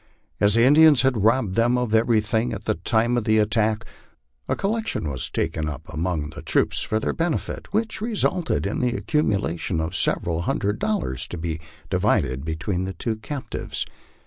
As the Indians had robbed them of everything at the time of the attack, a collection was taken up among the troops for their benefit, which resulted in the accumulation of several hundred dollars, to be divided between the two captives.